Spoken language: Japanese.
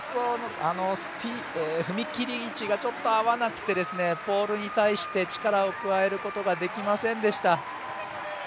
踏み切り位置がちょっと合わなくてポールに対して、力を加えることができませんでした。